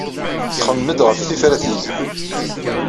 Txemmem-d ɣef tifrat yelhan.